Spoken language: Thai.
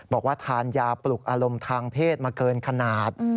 บอกว่าทานยาปลุกอารมณ์ทางเพศมาเกินขนาด